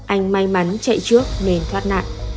anh may mắn chạy trước nên thoát nạn